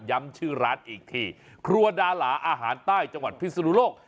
ชื่อร้านอีกทีครัวดาหลาอาหารใต้จังหวัดพิศนุโลก